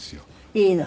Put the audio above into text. いいの？